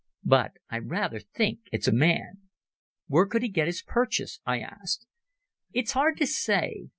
But I rather think it's a man." "Where could he get his purchase?" I asked. "It's hard to say.